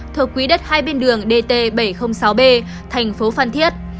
thuộc quỹ đất hai bên đường dt bảy trăm linh sáu b thành phố phan thiết